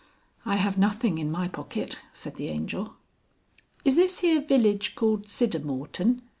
"I have nothing in my pocket," said the Angel. "Is this here village called Siddermorton?"